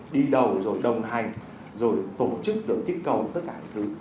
đi đầu rồi đồng hành rồi tổ chức được kích cầu tất cả những thứ